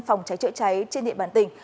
phòng cháy chữa cháy trên địa bàn tỉnh